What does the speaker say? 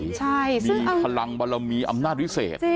ใช่มีพลังบรมีอำนาจวิเศษ